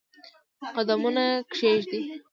قدمونه کښېږدي